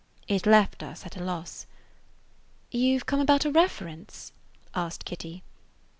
It left us at a loss. "You 've come about a reference?" asked Kitty.